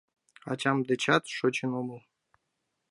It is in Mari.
Ачам дечат шочын омыл.